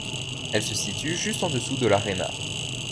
Elle se situe juste en dessous de l'Aréna.